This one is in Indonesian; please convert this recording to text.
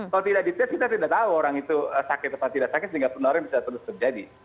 kalau tidak dites kita tidak tahu orang itu sakit atau tidak sakit sehingga penularan bisa terus terjadi